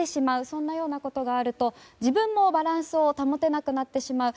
そんなことがあると自分もバランスを保てなくなってしまう。